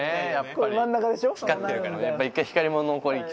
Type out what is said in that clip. これ真ん中でしょ？